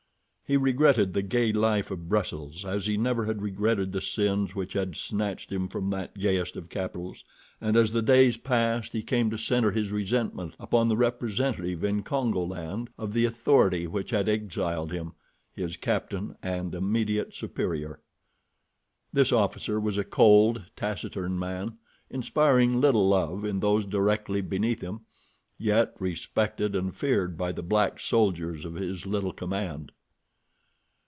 He regretted the gay life of Brussels as he never had regretted the sins which had snatched him from that gayest of capitals, and as the days passed he came to center his resentment upon the representative in Congo land of the authority which had exiled him—his captain and immediate superior. This officer was a cold, taciturn man, inspiring little love in those directly beneath him, yet respected and feared by the black soldiers of his little command.